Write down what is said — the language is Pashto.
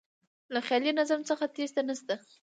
له خیالي نظم څخه تېښته نه شته.